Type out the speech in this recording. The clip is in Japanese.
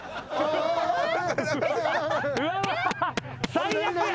最悪や。